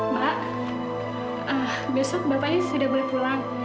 mbak besok bapaknya sudah boleh pulang